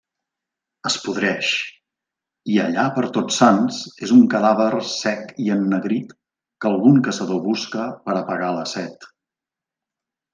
Es podreix, i allà per Tots Sants és un cadàver sec i ennegrit que algun caçador busca per a apagar la set.